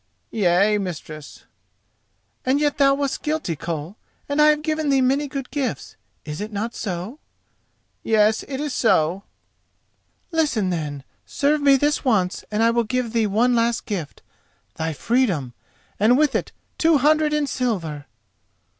"Yea, mistress." "And yet thou wast guilty, Koll. And I have given thee many good gifts, is it not so?" "Yes, it is so." "Listen then: serve me this once and I will give thee one last gift—thy freedom, and with it two hundred in silver."